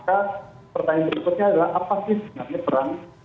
maka pertanyaan berikutnya adalah apakah sebenarnya perang